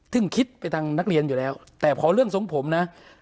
ซึ่งคิดไปทางนักเรียนอยู่แล้วแต่พอเรื่องทรงผมนะ